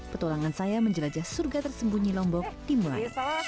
petualangan saya menjelajah surga tersembunyi lombok di mulai